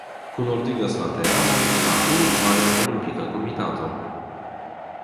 Kunordigas la teamon la Urugvaja Olimpika Komitato.